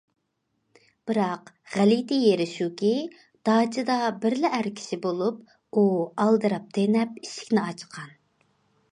بىراق غەلىتە يېرى شۇكى، داچىدا بىرلا ئەر كىشى بولۇپ، ئۇ ئالدىراپ تېنەپ ئىشىكنى ئاچقان.